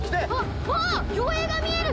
あっ魚影が見える！